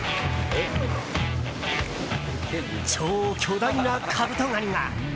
超巨大なカブトガニが！